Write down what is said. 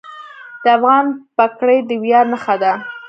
د افغان پګړۍ د ویاړ نښه ده.